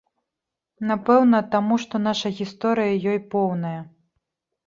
Напэўна, таму, што наша гісторыя ёй поўная.